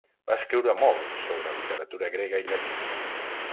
Va escriure molt sobre literatura grega i llatina.